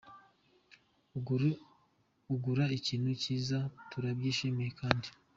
ugura ikintu cyiza Turabyishimiye kandi.